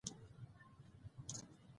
د افغانستان جغرافیه کې ژمی ستر اهمیت لري.